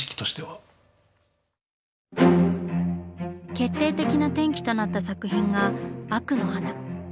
決定的な転機となった作品が「惡の華」。